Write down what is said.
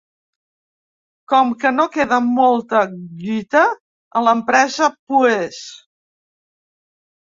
Com que no queda molta guita a l'empresa, pues...